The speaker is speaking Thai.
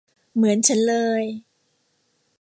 เหมือนฉันเลย !